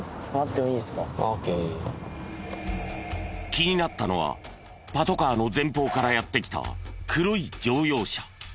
気になったのはパトカーの前方からやって来た黒い乗用車。